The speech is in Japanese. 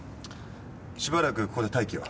しばらくここで待機を。